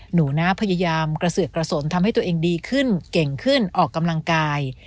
หนูนะพยายามกระเสือกกระสนทำให้ตัวเองดีขึ้นเก่งขึ้นออกกำลังกาย